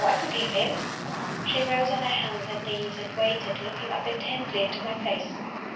I forgive him." She rose on her hands and knees, and waited, looking up intently into my face.